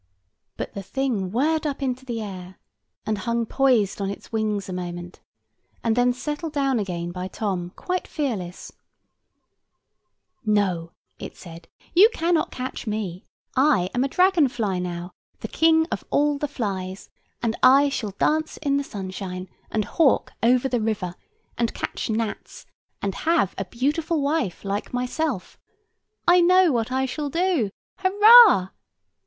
But the thing whirred up into the air, and hung poised on its wings a moment, and then settled down again by Tom quite fearless. [Picture: Tom and the dragon fly] "No!" it said, "you cannot catch me. I am a dragon fly now, the king of all the flies; and I shall dance in the sunshine, and hawk over the river, and catch gnats, and have a beautiful wife like myself. I know what I shall do. Hurrah!"